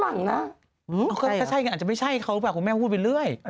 อย่างไรแต่หมายความว่าเขาไปเล่นช่องอื่นหรือเปล่า